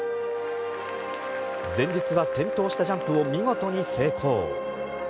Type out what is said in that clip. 前日は転倒したジャンプを見事に成功。